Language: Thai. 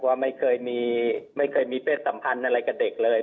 ว่าไม่เคยมีเป็นสัมพันธ์อะไรกับเด็กเลย